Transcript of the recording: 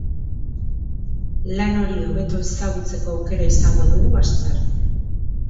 Lan hori hobeto ezagutzeko auekra izango dugu asteartean.